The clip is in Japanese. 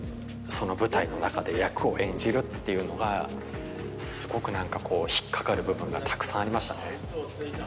その舞台の中で役を演じるっていうのがすごく何かこう引っ掛かる部分がたくさんありましたね。